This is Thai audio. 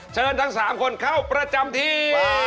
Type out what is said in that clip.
เชิญทั้งสามคนเข้าประจำที่